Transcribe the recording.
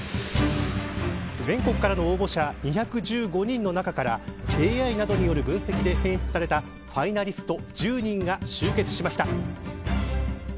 全国からの応募者２１５人の中からＡＩなどによる分析で選出されたファイナリスト１０人が集結しました。